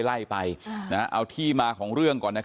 ไล่ไปเอาที่มาของเรื่องก่อน